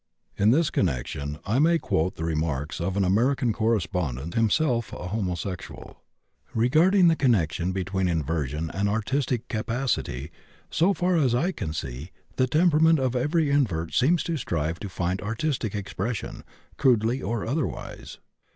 In this connection I may quote the remarks of an American correspondent, himself homosexual: "Regarding the connection between inversion and artistic capacity, so far as I can see, the temperament of every invert seems to strive to find artistic expression crudely or otherwise.